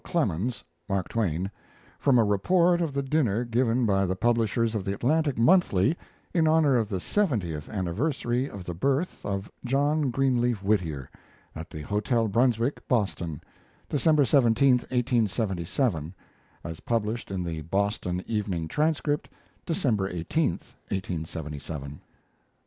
Clemens (Mark Twain) from a report of the dinner given by the publishers of the Atlantic Monthly in honor of the Seventieth Anniversary of the Birth of John Greenleaf Whittier, at the Hotel Brunswick, Boston, December 17, 1877, as published in the Boston Evening Transcript, December 18, 1877. MR.